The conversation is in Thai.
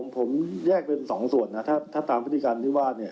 ผมแยกเป็น๒ส่วนนะถ้าตามพฤติกรรมที่ว่าเนี่ย